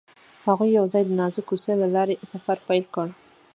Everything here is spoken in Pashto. هغوی یوځای د نازک کوڅه له لارې سفر پیل کړ.